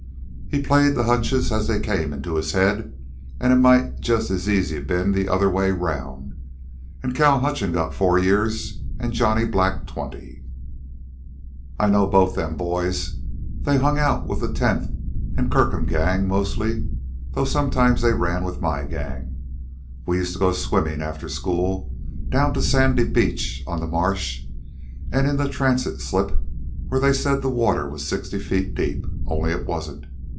He played the hunches as they came into his head, an' it might just as easy ben the other way around an' Cal Hutchins got four years an' Johnny Black twenty. "I know both them boys. They hung out with the Tenth an' Kirkham gang mostly, though sometimes they ran with my gang. We used to go swimmin' after school down to Sandy Beach on the marsh, an' in the Transit slip where they said the water was sixty feet deep, only it wasn't.